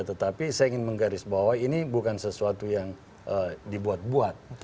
tetapi saya ingin menggaris bahwa ini bukan sesuatu yang dibuat buat